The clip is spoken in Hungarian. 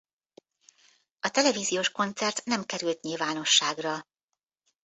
A televíziós koncert nem került nyilvánosságra.